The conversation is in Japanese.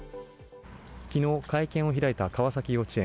昨日、会見を開いた川崎幼稚園。